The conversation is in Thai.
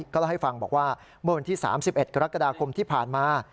ก็เล่าให้ฟังบอกว่าเมื่อวันที่๓๑กรกฎาคมที่ผ่านมา